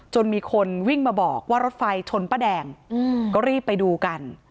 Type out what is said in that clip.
มีคนวิ่งมาบอกว่ารถไฟชนป้าแดงก็รีบไปดูกัน